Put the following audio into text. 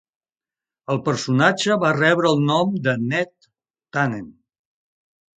El personatge va rebre el nom de Ned Tanen.